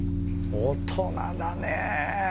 大人だね。